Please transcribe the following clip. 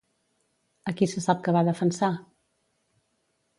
A qui se sap que va defensar?